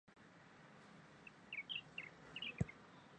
以其在非线性光学领域的研究而知名。